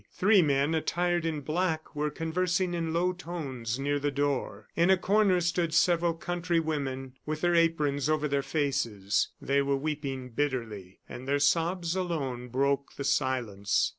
Three men, attired in black, were conversing in low tones near the door. In a corner stood several country women with their aprons over their faces. They were weeping bitterly, and their sobs alone broke the silence.